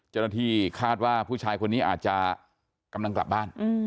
เจ้าหน้าที่คาดว่าผู้ชายคนนี้อาจจะกำลังกลับบ้าน